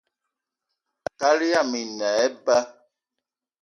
Kaal yama i ne eba